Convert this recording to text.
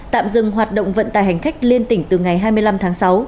tạm dừng hoạt động vận tải hành khách liên tỉnh từ ngày hai mươi năm tháng sáu